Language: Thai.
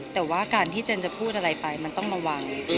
แต่ว่าการที่เจนจะพูดอะไรไปมันต้องระวัง